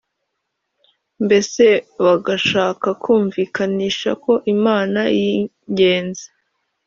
mbese bagashaka kumvikanisha ko Imana yingenzi